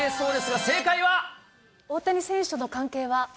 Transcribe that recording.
大谷選手との関係は？